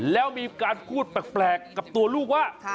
แล้วมีการพูดแปลกกับตัวลูกว่า